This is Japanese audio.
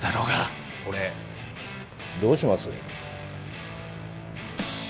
これどうします？